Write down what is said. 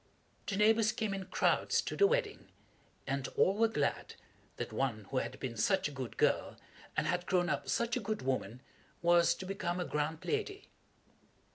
The neighbors came in crowds to the wedding, and all were glad that one who had been such a good girl, and had grown up such a good woman, was to become a grand lady.